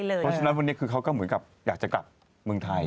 เพราะฉะนั้นวันนี้คือเขาก็เหมือนกับอยากจะกลับเมืองไทย